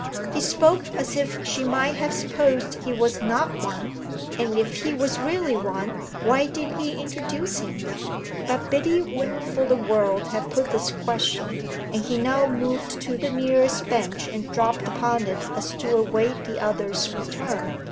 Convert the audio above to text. He spoke as if she might have supposed he was not one, and if he was really one why didn't he introduce him? But Biddy wouldn't for the world have put this question, and he now moved to the nearest bench and dropped upon it as to await the other's return.